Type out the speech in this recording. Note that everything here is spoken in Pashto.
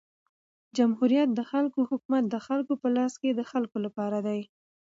جمهوریت د خلکو حکومت د خلکو په لاس د خلکو له پاره دئ.